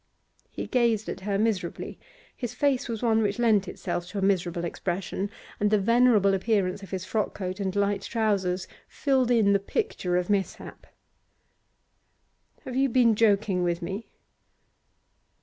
He gazed at her miserably his face was one which lent itself to a miserable expression, and the venerable appearance of his frockcoat and light trousers filled in the picture of mishap. 'Have you been joking with me?